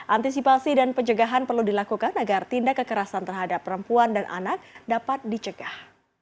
antisipasi dan pencegahan perlu dilakukan agar tindak kekerasan terhadap perempuan dan anak dapat dicegah